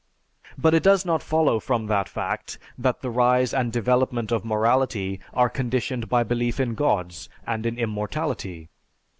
But it does not follow from that fact that the rise and development of morality are conditioned by belief in Gods and in immortality.